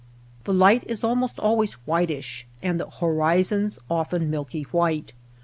The light is almost always whitish, and the horizons often milky white.